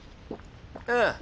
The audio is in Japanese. うん。